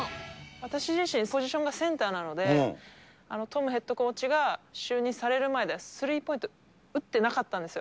私自身、ポジションがセンターなので、トムヘッドコーチが就任される前、私、スリーポイント打ってなかったんですよ。